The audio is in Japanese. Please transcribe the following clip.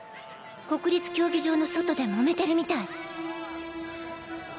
国立競技場の外でもめてるみたい。